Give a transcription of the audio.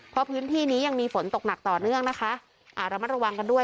เพราะพื้นที่นี้ยังมีฝนตกหนักต่อเนื่องนะคะอ่าระมัดระวังกันด้วย